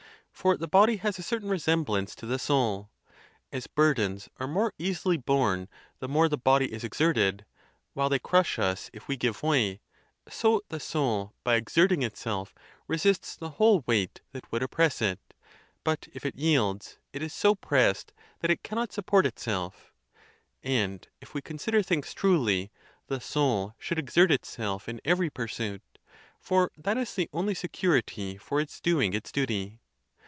For the body has a certain resemblance to the soul: as bur dens are more easily borne the more the body is exerted, while they crush us if we give way, so the soul by exert ing itself resists the whole weight that would oppress it; but if it yields, it is so pressed that it cannot support it self. And if we consider things truly, the soul should ex ert itself in every pursuit, for that is the only security for its doing its duty.